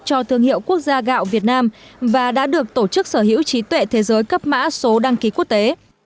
cho thương hiệu quốc gia gạo việt nam và đã được tổ chức sở hữu trí tuệ thế giới cấp mã số đăng ký quốc tế